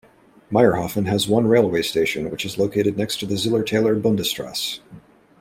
Mayrhofen has one railway station, which is located next to the Zillertaler Bundestrasse.